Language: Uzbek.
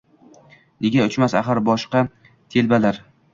Nega uchmas, axir, boshqa telbalar?